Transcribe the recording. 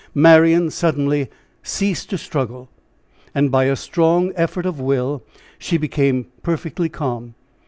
Marian suddenly ceased to struggle, and by a strong effort of will she became perfectly calm.